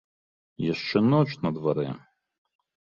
Яшчэ ноч на дварэ.